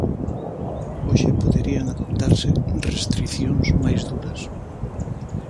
Hoxe poderían adoptarse restricións máis duras.